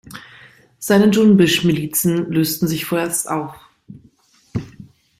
Seine Dschunbisch-Milizen lösten sich vorerst auf.